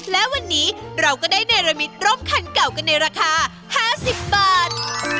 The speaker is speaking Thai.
และวันนี้เราก็ได้เนรมิตร่มคันเก่ากันในราคา๕๐บาท